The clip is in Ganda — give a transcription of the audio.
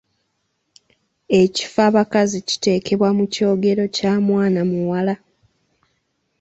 Ekifabakazi kiteekebwa mu kyogero kya mwana muwala.